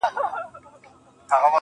• له مودو وروسته يې کرم او خرابات وکړ.